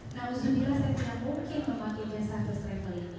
nah usulnya saya tidak mungkin memakai jasa first travel ini